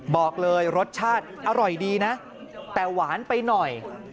บอกเลยรสชาติอร่อยดีนะแต่หวานไปหน่อย